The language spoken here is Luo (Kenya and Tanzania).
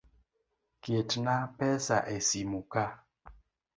Ketna pesa e simu ka.